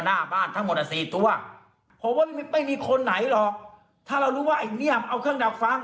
หน้าบ้านรับแต่๔ตัวผมว่ามันเป็นคนไหนหรอกที่แล้วรู้ว่าไอ้นี่มองเอาเครื่องดักฟัง